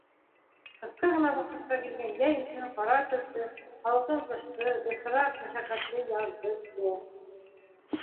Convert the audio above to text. Ҡыҫка ғына ваҡытҡа килгән йәй өсөн ҡара көҙҙө, һалҡын ҡышты, бысраҡ, мәшәҡәтле яҙҙы түҙә.